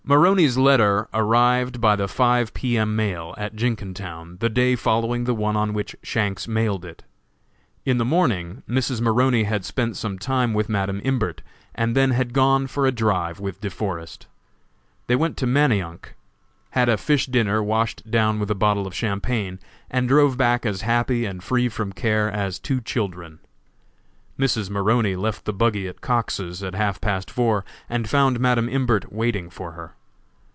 Maroney's letter arrived by the five P. M. mail, at Jenkintown, the day following the one on which Shanks mailed it. In the morning Mrs. Maroney had spent some time with Madam Imbert, and then had gone for a drive with De Forest. They went to Manayunk, had a fish dinner washed down with a bottle of champagne, and drove back as happy and free from care as two children. Mrs. Maroney left the buggy at Cox's at half past four, and found Madam Imbert waiting for her.